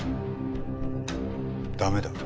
駄目だ。